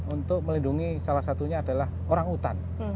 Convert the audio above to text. untuk melindungi salah satunya adalah orang utan